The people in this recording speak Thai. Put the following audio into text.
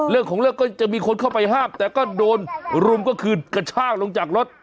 เรื่องของเรื่องก็จะมีคนเข้าไปห้ามแต่ก็โดนรุมก็คือกระชากลงจากรถ